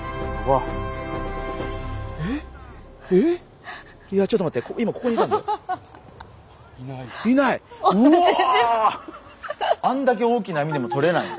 あんだけ大きな網でもとれないの。